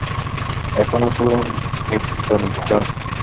এখনো তা নিভৃত নির্জন।